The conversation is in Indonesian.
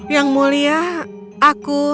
yang mulia aku